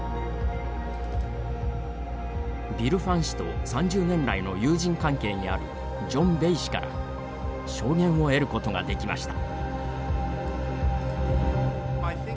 ビル・ファン氏と３０年来の友人関係にあるジョン・ベイ氏から証言を得ることができました。